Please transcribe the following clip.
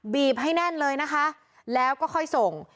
ให้แน่นเลยนะคะแล้วก็ค่อยส่ง